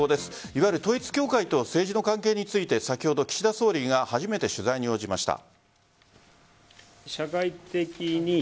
いわゆる統一教会と政治の関係について先ほど岸田総理が初めて取材に応じました。